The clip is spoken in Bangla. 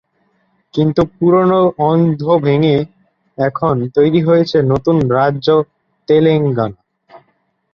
কিন্তু পুরনো অন্ধ্র ভেঙ্গে এখন তৈরি হয়েছে নতুন রাজ্য তেলেঙ্গানা।